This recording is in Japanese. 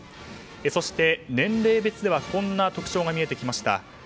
そして年齢別ではこんな特徴が見えてきました。